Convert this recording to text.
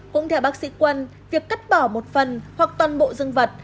cũng theo bác sĩ quân việc cắt bỏ một phần hoặc toàn bộ dương vật